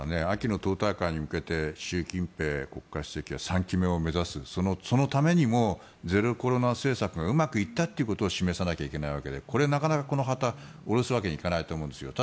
秋の党大会に向けて習近平国家主席は３期目を目指すそのためにもゼロコロナ政策がうまくいったということを示さないといけないわけでこれはなかなかこの旗を降ろすわけにはいかないと思います。